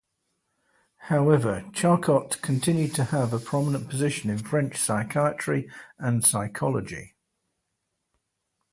However, Charcot continued to have a "prominent" position in French psychiatry and psychology.